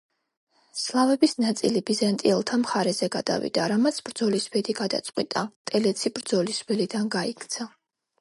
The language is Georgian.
სლავების ნაწილი ბიზანტიელთა მხარეზე გადავიდა, რამაც ბრძოლის ბედი გადაწყვიტა, ტელეცი ბრძოლის ველიდან გაიქცა.